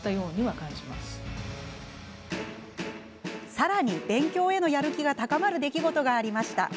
さらに、勉強へのやる気が高まる出来事がありました。